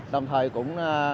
đồng thời cũng